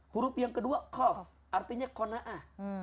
huruf yang kedua kof artinya kona'ah